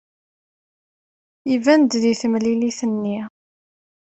Iban-d deg temlilit-nni?